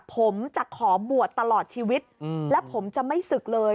ผมจะขอบวชตลอดชีวิตและผมจะไม่ศึกเลย